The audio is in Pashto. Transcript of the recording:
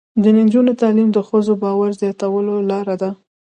د نجونو تعلیم د ښځو باور زیاتولو لاره ده.